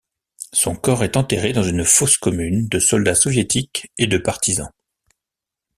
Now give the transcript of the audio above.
Son corps est enterré dans une fosse commune de soldats soviétiques et de partisans.